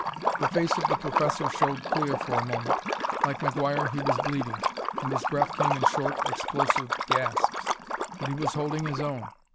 The face of the professor showed clear for a moment. Like McGuire he was bleeding, and his breath came in short explosive gasps, but he was holding his own!